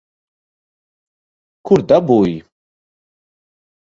Kur dabūji?